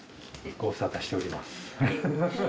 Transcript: ご無沙汰しております。